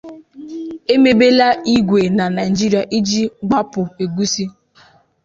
Emebela igwe na Nigeria iji gbapu Egusi.